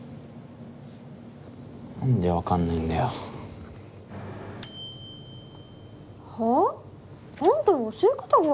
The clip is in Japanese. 何で分かんないんだよ。はあ？あんたの教え方が悪いんでしょ。